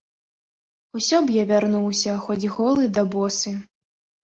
Усё б я вярнуўся, хоць голы да босы!